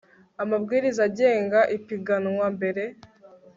amabwiriza agenga ipiganwa mbere